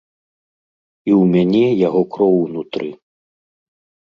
І ў мяне яго кроў унутры.